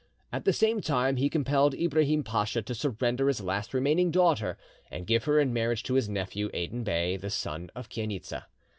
At the same time he compelled Ibrahim Pacha to surrender his last remaining daughter, and give her in marriage to his nephew, Aden Bey, the son of Chainitza.